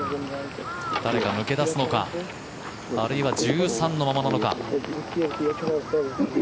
誰が抜け出すのかあるいは１３のままなのか。